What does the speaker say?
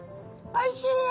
「おいしいよ。